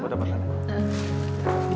kita ngebat tadi bang